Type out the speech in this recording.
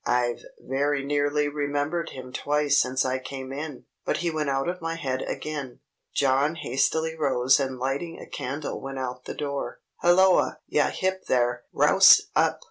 I've very nearly remembered him twice since I came in; but he went out of my head again." John hastily rose and lighting a candle went out the door. "Halloa! Yahip there! Rouse up!